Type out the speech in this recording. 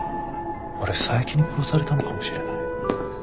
俺佐伯に殺されたのかもしれない。